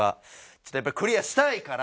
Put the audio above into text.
ちょっとやっぱりクリアしたいから。